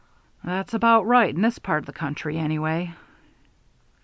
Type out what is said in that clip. "That's about right, in this part of the country, anyway."